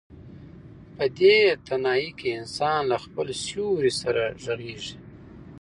په دې تنهایۍ کې انسان له خپل سیوري سره غږېږي.